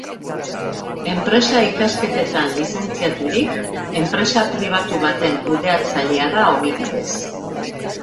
Enpresa-ikasketetan lizentziaturik, enpresa pribatu baten kudeatzailea da ogibidez.